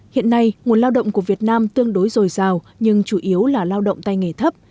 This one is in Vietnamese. hiện nay nguồn lao động của việt nam tương đối dồi dào nhưng chủ yếu là lao động tay nghề thấp